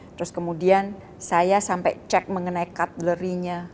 terus kemudian saya sampai cek mengenai kadlery nya